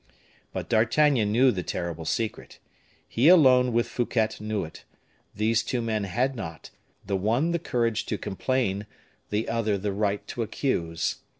But D'Artagnan knew the terrible secret. He alone with Fouquet knew it; those two men had not, the one the courage to complain, the other the right to accuse.